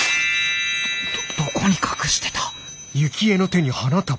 どどこに隠してた？